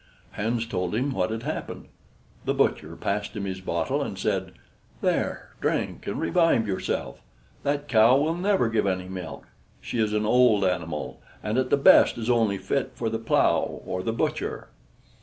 Hans told him what had happened. The butcher passed him his bottle and said: "There, drink and revive yourself. That cow will never give any milk; she is an old animal and, at the best, is only fit for the plow or the butcher."